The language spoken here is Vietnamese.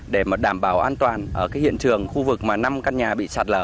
để mà đảm bảo an toàn ở cái hiện trường khu vực mà năm căn nhà bị sạt lở